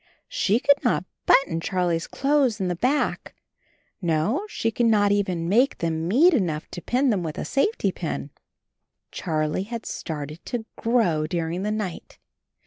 She could not button Charlie's clothes in the back! No, she could not even make them meet enough to pin them with a safety pin. Charlie had started to grow during the night.